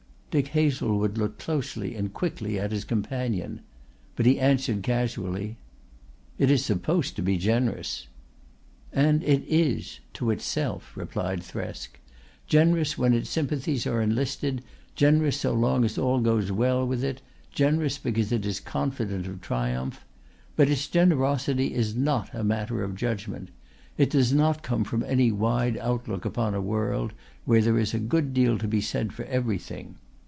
Dick Hazlewood looked closely and quickly at his companion. But he answered casually: "It is supposed to be generous." "And it is to itself," replied Thresk. "Generous when its sympathies are enlisted, generous so long as all goes well with it: generous because it is confident of triumph. But its generosity is not a matter of judgment. It does not come from any wide outlook upon a world where there is a good deal to be said for everything.